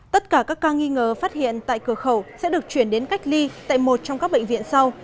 tất cả các ca nghi ngờ phát hiện tại cửa khẩu sẽ được chuyển đến cách ly tại một trong các bệnh viện sau